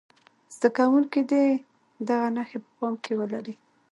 زده کوونکي دې دغه نښې په پام کې ولري.